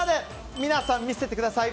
皆さん見せてください。